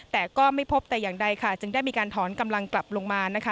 แต่ก็ไม่พบแต่อย่างใดค่ะจึงได้มีการถอนกำลังกลับลงมานะคะ